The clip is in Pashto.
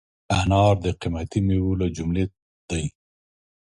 انار د قیمتي مېوو له جملې دی.